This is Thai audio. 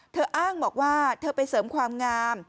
อ้างบอกว่าเธอไปเสริมความงาม